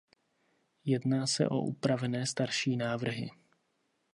Jedná se o upravené starší návrhy.